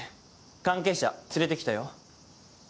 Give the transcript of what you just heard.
関係者連れてきたよ。